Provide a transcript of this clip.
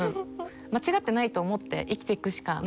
間違ってないと思って生きていくしかないの。